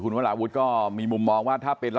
คุณวราวุฒิศิลปะอาชาหัวหน้าภักดิ์ชาติไทยพัฒนา